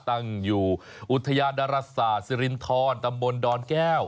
ตั้งอยู่อุทยานดาราศาสตร์สิรินทรตำบลดอนแก้ว